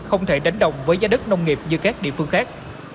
không thể đánh đồng với giá đất nông nghiệp như các địa phương khác